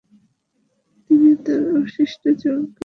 তিনি তাঁর অবশিষ্ট জীবন কাটিয়েছিলেন।